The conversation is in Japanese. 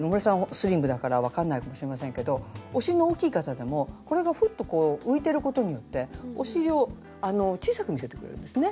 スリムだから分かんないかもしれませんけどお尻の大きい方でもこれがふっとこう浮いてることによってお尻を小さく見せてくれるんですね。